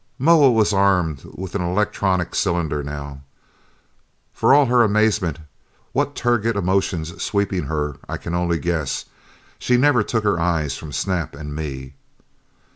Moa was armed with an electronic cylinder now. For all her amazement what turgid emotions sweeping her I can only guess she never took her eyes from Snap and me.